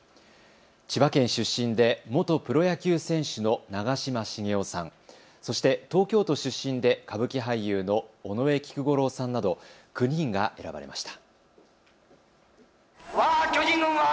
千葉県出身で元プロ野球選手の長嶋茂雄さん、そして東京都出身で歌舞伎俳優の尾上菊五郎さんなど９人が選ばれました。